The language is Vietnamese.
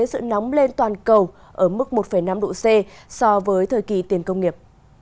sự nóng lên toàn cầu ở mức một năm độ c so với thời kỳ tiền công nghiệp